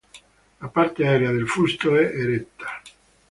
La parte aerea del fusto è eretta.